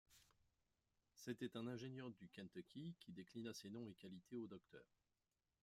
C’était un ingénieur du Kentucky, qui déclina ses nom et qualités au docteur.